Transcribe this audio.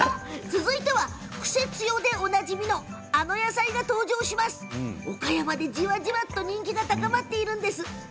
続いてはクセつよでおなじみのあの野菜が登場、岡山でじわじわと人気が高まっているんです。